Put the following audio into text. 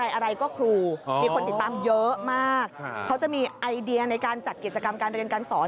อะไรก็ครูมีคนติดตามเยอะมากเขาจะมีไอเดียในการจัดกิจกรรมการเรียนการสอน